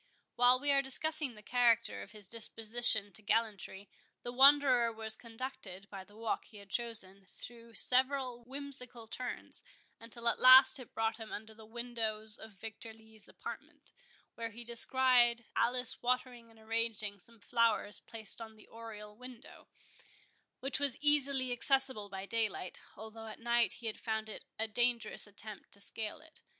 While we are discussing the character of his disposition to gallantry, the Wanderer was conducted, by the walk he had chosen, through several whimsical turns, until at last it brought him under the windows of Victor Lee's apartment, where he descried Alice watering and arranging some flowers placed on the oriel window, which was easily accessible by daylight, although at night he had found it a dangerous attempt to scale it.